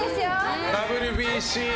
ＷＢＣ。